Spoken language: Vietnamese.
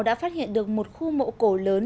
đã phát hiện được một khu mộ cổ lớn